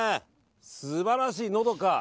素晴らしい、のどか。